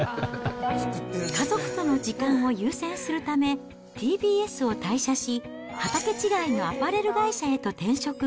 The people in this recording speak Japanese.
家族との時間を優先するため、ＴＢＳを退社し、畑違いのアパレル会社へと転職。